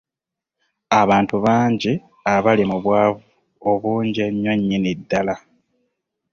Abantu bangi abaali bali mu bwavu obungi ennyo nnyini ddala.